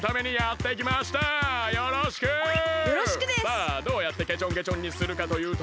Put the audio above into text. さあどうやってけちょんけちょんにするかというと。